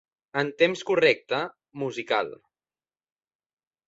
En temps correcte (musical)'